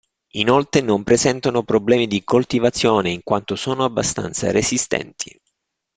Inoltre non presentano problemi di coltivazione in quanto sono abbastanza resistenti.